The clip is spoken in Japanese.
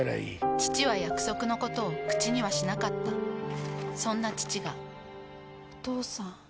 父は約束のことを口にはしなかったそんな父がお父さん。